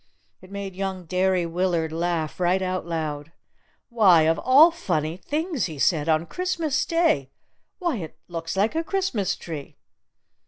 It made young Derry Willard laugh right out loud. "Why, of all funny things!" he said. "On Thanksgiving Day! Why, it looks like a Christmas tree!"